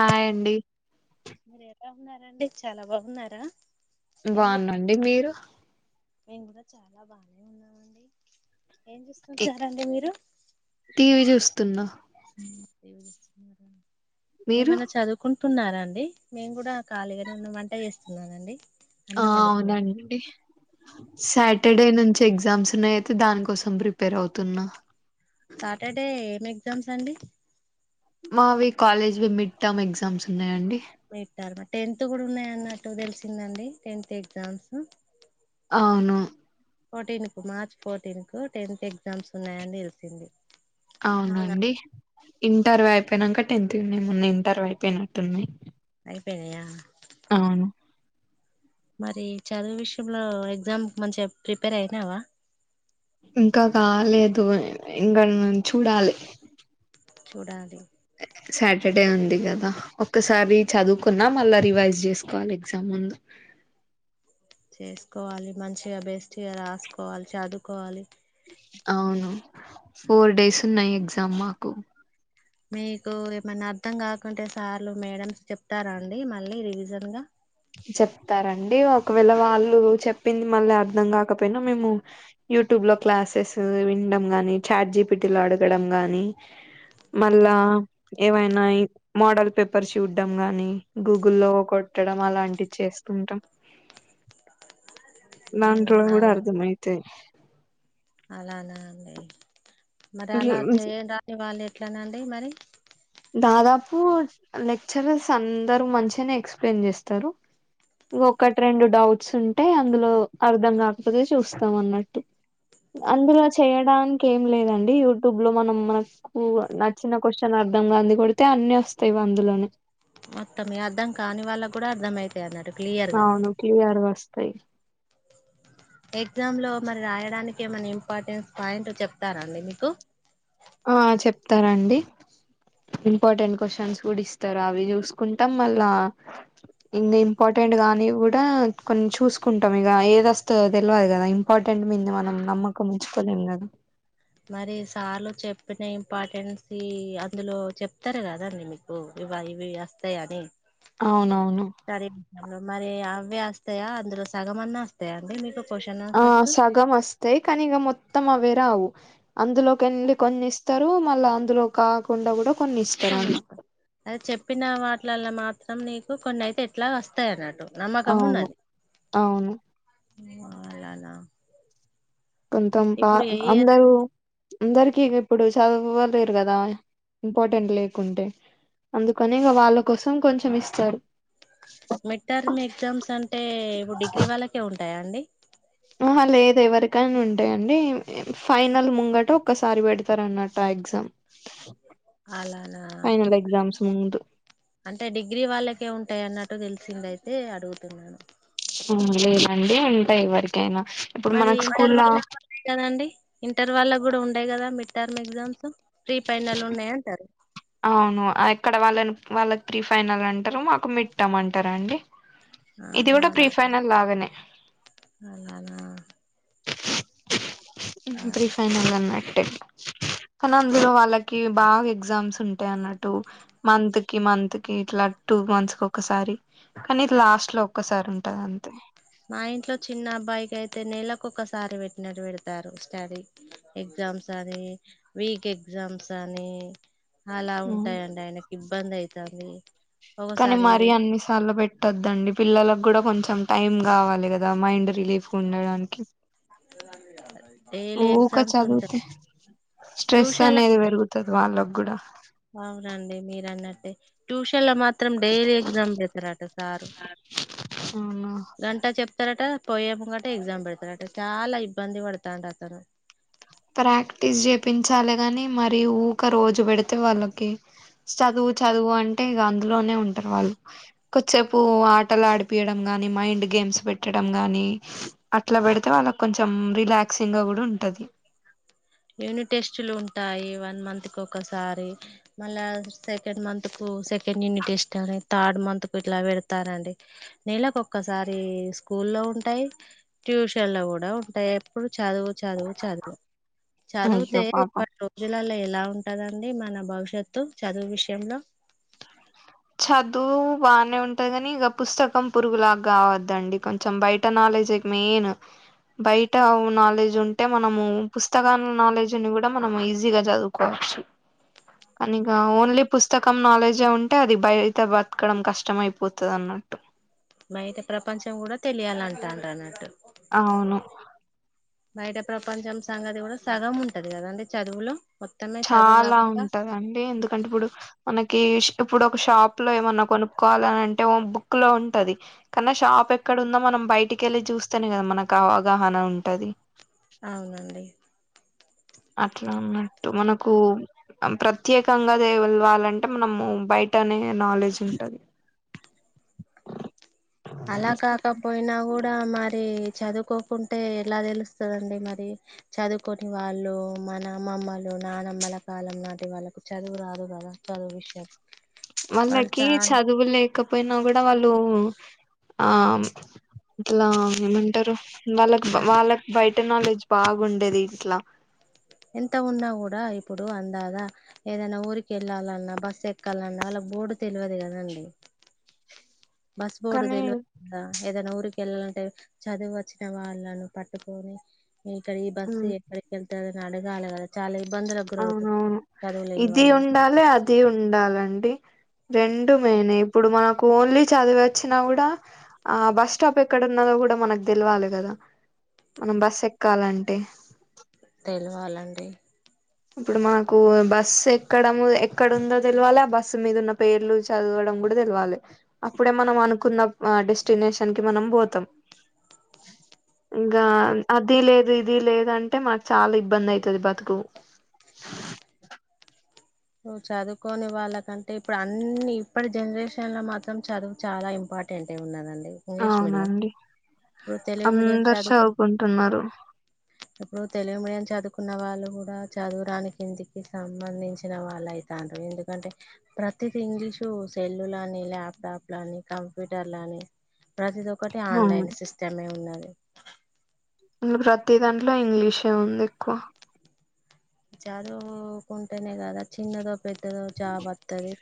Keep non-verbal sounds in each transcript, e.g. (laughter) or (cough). Hi అండి. మీరు ఎలా ఉన్నారండి చాలా బాగున్నారా ఏం చే బాగునండి మీరు. మేము కూడా చాలా బానే ఉన్నామండి. ఏం ఎ చూస్తుంటారండి మీరు. టీవీ చూస్తున్నా. మీరు? ఏమన్నా చదువుకుం. స్తున్నారాండి. మేము కూడా ఖాళీగానే ఉన్న వంట చేస్తున్నానండి. ఆ అన్నం వండుతున్నా అవుననండి. సాటర్డే నుంచి ఎగ్జామ్స్ ఉన్నాయి. అయితే దానికోసం ప్రిపేర్ అవుతున్నా. సాటర్డే ఏం ఎగ్జామ్స్ అండి. మావి కాలేజీ మిట్మా ఎగ్జామ్స్ ఉన్నాయండి. మీ ట్టారు మా టెన్త్ కూడా ఉన్నాయి. అన్నట్టు తెలిసిందండి. Tenth exams. అవును ఫోర్టీన్ కు మార్చ్ ఫోర్టీన్ కు టెన్త్ ఎగ్జామ్స్ ఉన్నాయని తెలిసింది. అవునా అవునండి ఇంటర్వ్యూ అయిపోయినాక. టెన్త్ యున్నఏమో ఇంటర్వ్యూ అయిపోయినట్టుంది. అయిపోయినయా. అవును మరి చదువు విషయంలో ఎగ్జామ్ మంచిగా ప్రిపేర్ అయినావ. ఇంకా కాలాలేదు, ఇంకాడ చూడాలి. చూడాలి. సాటర్డే ఉంది కదా ఒక్కసారి చదువుకున్నా. మళ్ళా రివైజ్ చేసుకోవాలి ఎగ్జామ్ ముందు. చేసుకోవాలి. మంచిగా బెస్ట్ గా రాసుకోవాలి చదువుకోవాలి. అవును ఫోర్ డేస్ ఉన్నాయి. ఎగ్జామ్ మాకు. మీకు ఏమన్నా అర్థం కాకుంటే సార్లు మేడమ్స్ చెప్తారా. అండి మళ్ళీ రివిజన్ గా. చెప్తారంండి ఒకవేళ వాళ్ళు చెప్పింది. మళ్ళీ అర్థం కాకపోయినా మేము యూట్యూబ్. బ్ లో క్లాసెస్ వినడం. గాని చాట్ జీపిటీలో అడగడం గాని. మళ్ళా ఏవైనా మోడల్ పేపర్స్ చూడ్డం. గాని గూగుల్లో కొట్టడం. అలాంటివి చేస్తూ ఉంటాం. దాంట్లో కూడా అలా అర్థమైతే యి. అలానా అండి మరి అలా చేయం రాని వాళ్ళు ఎట్లనా అండి మరి. దాదాపు లెక్చరర్స్ అందరూ మంచిగానే ఎక్స్ప్లెయిన్ చేస్తారు. ఒకటి రెండు డౌట్స్ ఉంటే. అందులో అర్ధం కాకపోతే చూస్తాం అన్నట్టు. అందులో చేయడానికి ఏం లేదండి. యూట్యూబ్ లో మనం మనకు నచ్చిన క్వశ్చన్ ఆన్స. సంబంధి కొడితే అన్ని వస్తాయి అందులోనే. మొత్తం అర్థం కాని వాళ్ళకి కూడా అర్థంమవుతయి అన్నట్. అవును క్లియర్ వస్తాయి. ఎగ్జామ్ లో మరి రాయడానికి. ఏమైనా ఇంపార్టెన్స్ పాయింట్ చెప్తారండి మీకు. ఆ చెప్తారాండి. ఇంపార్టెంట్ క్వశ్చన్స్ కూడా ఇస్తారు. అవి చూసుకుంటాం మళ్ళా. ఇం ఇంపార్టెంట్ గాని కూడా కొంచం చూసుకుంటాం. ఇగ ఏది వస్తుందో తెలియదు కదా ఇంపార్టెంట్. దేని మీద మనం నమ్మకం ఉంచుకోలేం కదా. మరి సార్లు చెప్పిన ఇంపార్టెన్స్ అందులో చెప్తారు కదండి మీకు. అవునవును (unintelligible) అవే వస్తాయా. అందులో సగం అన్నా వస్తాయా. అండి మీకు. క్వశ్చన్ ఆ ఆన్సర్స్ సగం వస్తాయి. కానీ ఇక మొత్తం అవే. రావు అందులోకి కే ళ్ళలి. కొన్ని ఇస్తారు. మళ్ళ అందులో కాకుండా కూడా. కొన్ని ఇస్తారు కొన్నిస్తాం, అది చెప్పిన వాటిలలో మాత్రం నీకు కొన్ని అయితే ఎట్లా వస్తాయి అన్నట్టు. నమ్మకం అవును, ఉన్నది అవును. (unintelligible) కొంతం పా ఇప్పుడు ఏ ఇయర్ అందరూ. అందరికి ఇప్పుడు చదువలేరు, కదా ఇంపార్టెంట్ లేకుంటే. అందుకని ఇక వాళ్ళ కోసం కొంచెం ఇస్తారు. మిడ్ టర్మ్ ఎగ్జామ్స్ అంటే ఇప్పుడు డిగ్రీ వాళ్ళకే ఉంటాయా అండి? ఆహ లేదు ఎవరికైనా ఉంటాయండి. ఫైనల్ ముంగట ఒక్కసారి పెడతారు అన్నట ఎగ్జామ్ అలానా? ఫైనల్ ఎగ్జామ్స్ ముందు. అంటే డిగ్రీ వాళ్ళకే ఉంటాయి అన్నట్టు తెలిసింది అయితే అడుగుతున్నాను. లే దండి ఉంటా ఇవరకి. మరి ఇంటర్ వాళ్ళకు ఉంది కదాండి, ఇంటర్ వాళ్ళ కూడా ఉండయి కదా mid term exams pre final ఉన్నాయ అంటారు. అవును ఎక్కడ వాళ్ళని వాళ్ళకి ప్రీ ఫైనల్ అంటారు. మాకు మిడ్ టర్మ్ అంటారండి. ఆహా! అలా, లాగానే అలానా. ఇప్పుడు ప్రీఫైనల్ అన్నట్టు. కానీ అందులో వాళ్ళకి, బాగా ఎగ్జామ్స్ ఉంటాయి అన్నట్టు మంత్ కి మంత్ కి ఇట్లా. టూ మంత్స్ ఒక్కసారి కానీ ఇది లాస్ట్ లో ఒక్కసారి ఉంటాది అంతే. మా ఇంట్లో చిన్న అబ్బాయికి అయితే నెలకు ఒకసారి పెట్టినట్టు పెడతారు స్టడీ. ఎగ్జామ్స్ అని వీక్ ఎగ్జామ్స్ అని. అలా ఉంటాయిండి ఆయనకి ఇబ్బంది అయితాంది. కానీ మరీ అన్నిసార్లు పెట్టొద్దండి పిల్లలకు కూడా కొంచెం. కొంచెం టైం కావాలి కదా మైండ్ రిలీఫ్ ఉండడానికి. డైలీ ఊక ఎగ్జామ్స్ ఉంటాయి చదివితే స్ట్రెస్ ట్యూషన్ల అనేది పెరుగుతాది వాళ్ళకి కూడా. అవునండి మీర అన్నట్టే ట్యూషన్ల మాత్రం. మాత్రం డైలీ ఎగ్జామ్ పెడతారట సారు అవునా గంట చెప్. ఇస్తారట పోయేమింగటె ఎగ్జామ్ పెడతారట చాలా ఇబ్బంది పడతాందు అతను. ప్రాక్టీస్ చేపించాలి గాని మరి ఊక రోజు పెడితే వాళ్ళకి. చదువు చదువు అంటే ఇక అందులోనే ఉంటారు. వాళ్ళు కొద్దిసేపు ఆటలు ఆడిపీ యడం. నీ మైండ్ గేమ్స్ పెట్టడం గాని అట్లా పెడితే వాళ్ళ కొంచెం రిలాక్సింగ్ గా కూడా ఉంటాది. (inaudible) యూనిట్ టెస్ట్లు ఉంటాయి. వన్ మంత్ కి ఒకసారి. మళ్ళా సెకండ్ మంత్ కు. సెకండ్ యూనిట్ ఎస్ట్ అని థర్డ్ మంత్ కు ఇలా పెడతారండి నెలకు ఒక్కసారి. స్కూ లో ఉంటాయి. ట్యూషన్ లో కూడా ఉంటాయి ఎప్పుడు. చదువు చదువు చదువు చదివితే అయ్యో పాపం ఇప్పటి రోజులలో ఎలా ఉంటద? అండి మన భవిష్యత్తు చదువు విషయంలో. చదువు బానే ఉంటుది కానీ ఇక పుస్తకం పురుగులాగా కావద్దండి కొంచెం బయట నాలెడ్జ్ ఎక్ మెయిన్. బయట నాలెడ్జ్ ఉంటే మనము పుస్తకాల నాలెడ్జ్ని కూడా మనం ఈజీగా చదువుకోవాలి. ప్చ్ కానీ ఇక ఓన్లీ పుస్తకం నాలెడ్జే ఉ అంటే అది బయట బతకడం కష్టమ అయిపోతుంది అన్నట్టు. బైట ప్రపంచం కూడా తెలియాలంటన్నారు అన్నట్టు. అవును. బయట ప్రపంచం సంగతి కూడా సగం ఉంటది కదా అండి చదువులో. మొత్తమే చదువు చాలా కాకుండా ఉంటదండి ఎందుకంటే ఇప్పుడు, మనకి ఇప్పుడు ఒక షాప్ లో ఏమన్నా కొనుక్కోవాలని అంటే ఓ బుక్ లో ఉంటది కానీ షాప్ పాప ఎక్కడ ఉందో మనం బయటికి వెళ్ళి చూస్తానే కదా మనకు అవగాహన ఉంటాది. అవునండి. అట్లా ఉన్నట్టు మనకు ప్రత్యేకంగా తెళ్వాలంటే మనము బయట బయటనే నాలెడ్జ్ ఉంటది. (unintelligible) అలా కాకపోయినా కూడా మరి. చదువుకోకుంటే ఎలా దెలుస్తదండి మరి చదువుకొని వాళ్ళూ మన అమ్మమ్మలు నానమ్మల కాలం నాటి వాళ్ళకు చదువు రాదు గద చదువ్విష్యాలు. వాళ్ళకి చదువు లేకపోయ్న గుడా వాళ్ళూ ఆమ్ ఇట్లా ఏమంటరు మ్ వాళ్ళక్ చ వాళ్ళక్ బై టెనాలెడ్జ్ బాగుండేది ఇట్ల. ఎంత ఉన్నా గుడా ఇప్పుడు అందాగా ఏదన్న ఊరికెళ్ళాలన్నా బస్సెక్కల్లన్న వాల్ల బోడు తెలివదు గదండి. బస్ బోడు కానీ తెలువదు (unintelligible) ద ఏదన్న ఊర్ (unintelligible) కెళ్ళాలంటే చదువొచ్చిన వాళ్ళను పట్టుకోని ఇంక ఈ బస్సు ఉమ్ ఎక్కడికెళ్ తదని అడుగాలె గద చాల ఎ ఆ ఔను ఇది వాళ్ళు ఉండాలే అది ఉండాలండి. రెండు మెయ్నె ఇప్పుడు మనకు ఓన్లీ చదివొచ్చినా గుడా ఆ బస్ స్టాప్ ఎక్కడున్న (unintelligible) కూడ మనక్ తెల్వాలె గద మనం బస్సెక్కాలంటె తెల్వాలండి. ఇప్పుడు మాకు బస్సెక్కడము ఎక్కడుందో తెలువాల ఆ బస్సు మీద ఉన్న పేర్లు చదువ తం గూడ దెల్వాలె అప్పుడె మనమనుకున్న ప్ అ డెస్టినేషన్కి మనం బోతం. (inaudible) ఇంగా అదిలేదు ఇదిలేదంటె మాక్ చాలా ఇబ్బందైతది బతుకు. (inaudible) నువ్వు చదువుకోని వాళ్ళకంటె ఇప్పుడన్ని ఇప్పటి జన్రేషన్ లొ మాత్రం చదువు చాలా ఇంపా ఆ టేంటే ఉన్నదాన్ని అవునండి తెలుగు మీడియం అందర్ చదువుకు సవ్కుంటున్నరు ఇప్పుడు తెలుగు మీడియం చదువుకున్న వాళ్ళు కూడా చదువురానికిందికి సంబంధించి చిన వాళ్ళు అయిత్రాండు ఎందుకంటే ప్రతిది ఇంగ్లీషు సెల్లులని ల్యాప్టాప్లని కం కంప్యూటర్లని ప్రతిది ఒక్కటి అవును ఆన్లైన్ సిస్టమే ఉన్నాది ఇంగ ప్రతి దాంట్లో ఇంగ్లీషే ఉంది ఎక్కువ చదూవుకున్ టేనే గదా చిన్నదో పెద్దదో జాబ్ వత్తది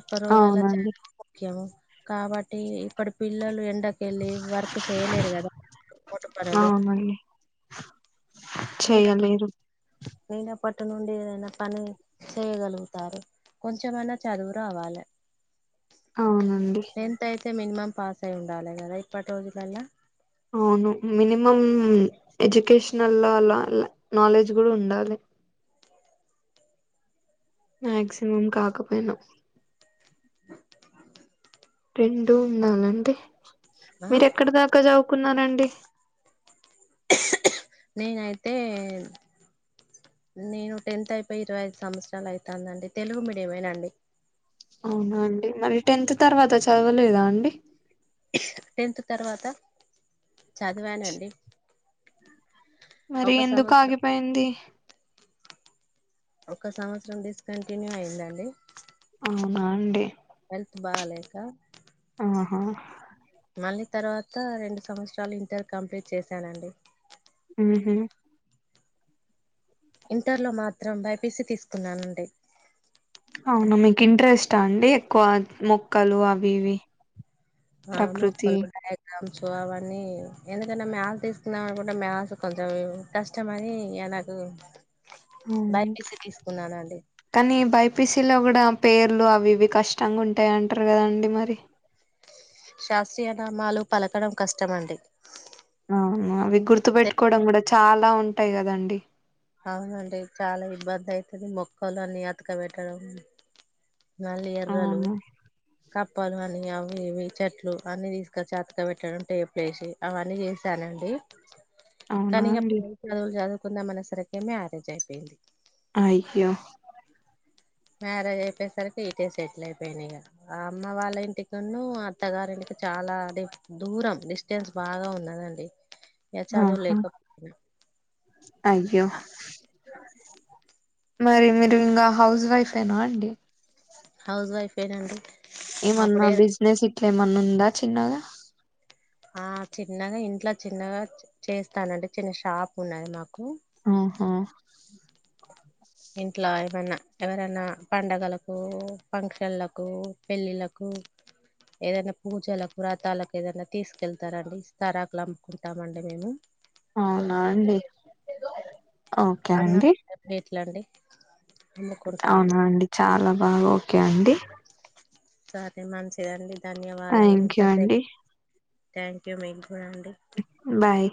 ఇప్పరోళ్ళల్ల అవునండి చదువు ముఖ్యము కాబట్టి ఇప్పడి పిల్లలు ఎ డకెళ్ళి వర్క్ చేయలేరు గద మోటు పనులు అవునండి లేదఅప్పడు చేయలేరు నేన అప్ అప్పటి నుండి ఏదైన పని చేయగలుగుతారు కొంచమైనా చదువు రావాలె (unintelligible) అవునండి టే మినిమం పాస్సయ్ ఉండాలి గదా ఇప్పటి రోజుళ్ళల్ల అవును మినిమం ఎడ్యుకేషనల్ లాల్ల్ ల్లాల్లే నాలెడ్జ్ గూడా ఉండాలె మెక్సిమం కాకపోయిన రెండు ఉండాలండి ఆ మీరు ఎక్కడ దాకా జవ్కున్నార డి నేను అయితే నేను టెన్త్ అయిపోయి ఇరవై ఐదు సంవత్సరాలు అయితాదండి తెలుగు మీడియమేనండి అవున అండి మరి టెన్త్ తర్వాత చదవలేద అండి టెన్త్ తర్వాత చదివానండి మరి ఒక ఎందుకు సంవత్సరం ఆగిపోయింది ఒక సంవత్సరం డిస్కంటిన్యూ అయిందండి అవునా అండి హెల్త్ బాలేక ఆహా మళ్ళీ తర్వాత రెండు సంవత్సరాలు ఇంటర్ కంప్లీట్ చేశానండి ఉహు ఇంటర్ లో మాత్రం బైపీస తీసుకున్నానండి అవునా మీకు ఇంట్రెస్టా అండి ఎక్కువ మొక్కలు అవి ఇవి ఆ ప్రకృతి మొక్కలు ప్యారెట్స్ అవన్నీ ఎందుకంటే మ్యాస్ తీసుకుందాం అనుకుంటే మ్యాస్ కొంచెం కష్టమని లడ్డు కానీ బైపిసి లో కూడా పేర్లు అవి ఇవి కష్టంగా ఉంటాయి అంటారు కదాండి మరి శాస్త్రీయ నామాలు పలకడం కష్టమ అండి అవును అవి గుర్తుపెట్టుకోవడం కూడా చాలా ఉంటాయి కదండి అవునండి చాలా ఇబ్బంది అయితుంది మొక్కలు అన్నీ అతకబెట్టడం నల్లి ఎర్రలు అవును కప్పలు అని అ ఏవి చెట్లు అన్ని తీసుక చెత్తగా పెట్టడం టేప్లే వేసి అవన్నీ చేసానండి అవునా కానీక ప అండి చదువులు చదువుకుందా మన సరికేమ మ్యారేజ్ అయిపోయింది అయ్యో మ్యారేజ్ అయిపోయేసరికి ఇతేే సెటిల్ అయిపోయినాయి ఇక ఆ అమ్మ వాళ్ళ ఇంటికిన్న అత్తగారింటి చాలా అదే దూరం డిస్టెన్స్ బాగా ఉన్నదండి ఇక ఆహా చదవలేకపో అయ్యో మరి మీరు ఇంకా హౌస్ వైఫేనా అండి హౌస్ వైఫ్ ఏ నండి ఏమన్నా బిజినెస్ ఇట్లా ఏమన్నా ఉందా చిన్నగా ఆ చిన్నగా ఇంట్లో చిన్నగా చేస్తానండి చిన్న షాప్ ఉన్నాది మాకు ఆహా ఇంట్లో ఏమన్నా ఎవరైనా పండగలకు ఫంక్షన్లకు పెళ్ళిలకు అ ఏదైనా పూజలకు వ్రాతాలకు ఏదైనా తీసుకెళ్తారండి తరాకులు అంముకుంటామండి మేము అవునా అండి ఓకే అన్న ఎట్లాండి అవునాండి చాలా బాగా ఓకే అండి సరే మంచిదండి ధన్యవాదములు థ్యాంక్ ఇంత యూ సే అండి థ్యాంక్ యూ మ బడి బాయ్